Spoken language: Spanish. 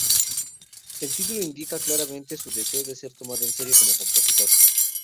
El título indica claramente su deseo de ser tomado en serio como compositor.